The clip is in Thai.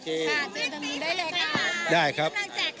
โอเคได้เลยค่ะได้ครับ